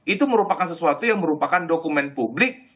itu merupakan sesuatu yang merupakan dokumen publik